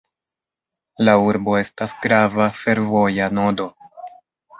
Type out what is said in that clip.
La urbo estas grava fervoja nodo.